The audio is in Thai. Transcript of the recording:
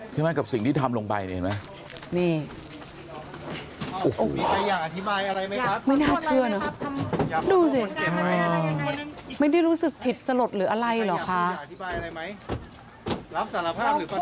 ใครอยากสูญญาอธิบายอะไรไหมรับสารภาพหรือข้อทิศเกต